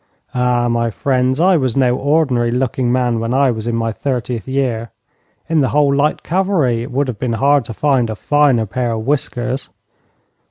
Ah! my friends, I was no ordinary looking man when I was in my thirtieth year. In the whole light cavalry it would have been hard to find a finer pair of whiskers.